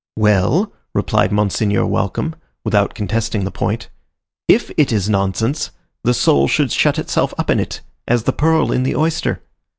—"Well," replied Monseigneur Welcome, without contesting the point, _"if it is nonsense, the soul should shut itself up in it, as the pearl in the oyster."